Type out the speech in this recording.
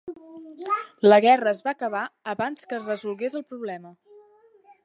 La guerra es va acabar abans que es resolgués el problema.